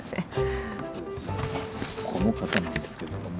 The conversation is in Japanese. この方なんですけれども。